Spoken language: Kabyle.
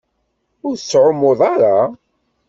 Ur tettɛummuḍ ara?